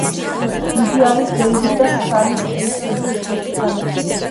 იგი არის დეივიდ და სალი სტეისების უფროსი ქალიშვილი.